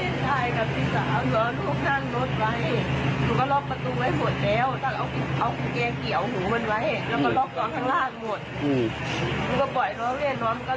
ส่วนที่จังหวัดทรัพยาคมเกิดอุปติเหตุรถพวง๑๘ล้อบบรรทุกลางเบียนมาเต็มคัน